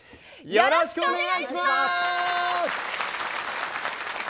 よろしくお願いします。